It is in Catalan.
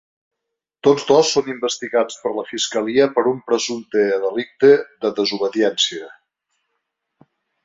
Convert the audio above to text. Tots dos són investigats per la fiscalia per un presumpte delicte de desobediència.